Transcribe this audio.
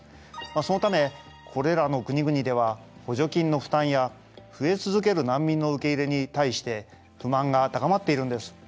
そのためこれらの国々では補助金の負担や増え続ける難民の受け入れに対して不満が高まっているんです。